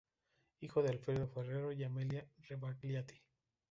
Hijo de Alfredo Ferrero y Amelia Rebagliati.